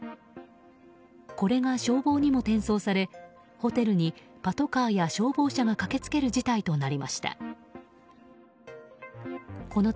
これが消防にも転送されホテルにパトカーや消防車が駆けつける事態となりました。